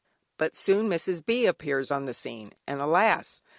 But soon Mrs. B. appears upon the scene, and alas!